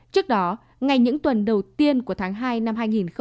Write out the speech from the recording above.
trước đó ngay những tuần đầu tiên của tháng hai năm hai nghìn hai mươi